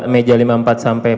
meja lima puluh empat sampai